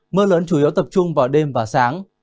mưa lớn chủ yếu tập trung vào đêm và sáng